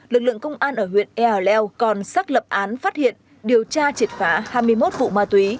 lực lượng công an ở huyện ea leo còn xác lập án phát hiện điều tra triệt phá hai mươi một vụ ma túy